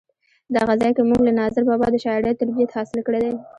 دغه ځای کې مونږ له ناظر بابا د شاعرۍ تربیت حاصل کړی دی.